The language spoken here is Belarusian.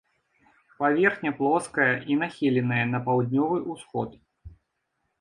Паверхня плоская і нахіленая на паўднёвы ўсход.